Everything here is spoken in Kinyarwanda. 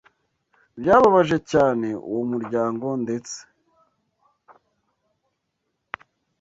byababaje cyane uwo muryango ndetse